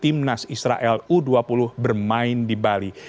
yang berisikan penolakan terhadap timnas israel u dua puluh bermain di bali